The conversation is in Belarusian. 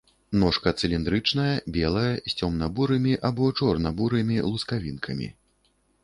Ножка цыліндрычная, белая з цёмна-бурымі або чорна-бурымі лускавінкамі.